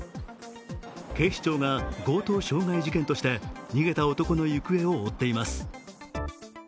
警視庁が強盗傷害事件として逃げた男の行方を追っています。